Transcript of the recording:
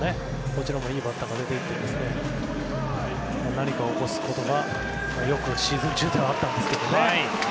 こちらもいいバッターが出ていって何かを起こすことがよくシーズン中ではあったんですけどね。